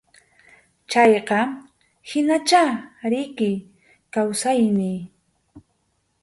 Chayqa hinachá riki kawsayniy.